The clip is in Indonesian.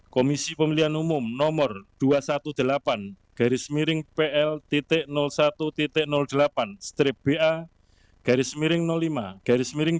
komisi pemilihan umum nomor dua ratus delapan belas pl satu delapan ba lima dua ribu dua puluh empat